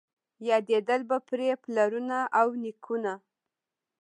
یادېدل به پرې پلرونه او نیکونه